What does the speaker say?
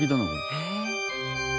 「えっ？」